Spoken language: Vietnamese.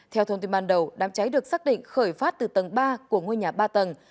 theo thông tin ban đầu đám cháy được xác định khởi phát từ tầng ba của ngôi nhà ba tầng